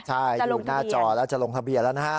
ใช่อยู่หน้าจอแล้วจะลงทะเบียนแล้วนะฮะ